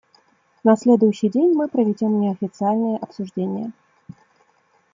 На следующий день мы проведем неофициальные обсуждения.